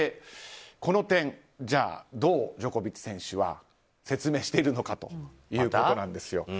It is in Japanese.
この点どうジョコビッチ選手は説明しているのかということなんですよ。